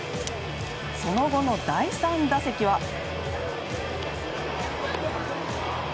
その後の第３打席は。